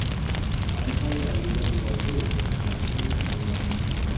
Ankaŭ alia vilaĝeto apartenas al la municipo.